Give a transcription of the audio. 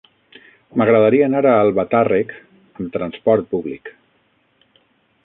M'agradaria anar a Albatàrrec amb trasport públic.